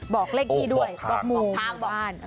บอกเลขที่ด้วยบอกทาง